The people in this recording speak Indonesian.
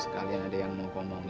kalian ada yang mau ngomongin